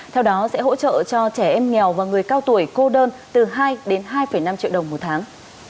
theo đó sẽ hỗ trợ cho trẻ em nghèo và người cao tuổi cô đơn từ hai đến hai năm triệu đồng một tháng